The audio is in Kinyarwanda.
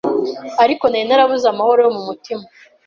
ariko nari narabuze amahoro yo mumutima